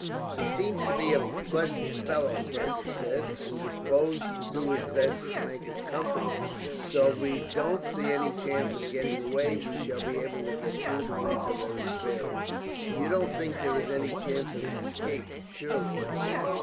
"He seems to be a pleasant fellow," Fergus said, "and disposed to do his best to make us comfortable; so if we don't see any chance of getting away, we shall be able to get through the winter very fairly." "You don't think there is any chance of escape, surely, major?"